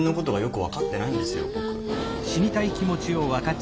僕。